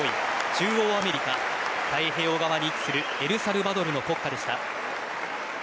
中央アメリカ太平洋側に位置するエルサルバドルの国歌でした。